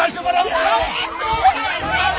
やめて！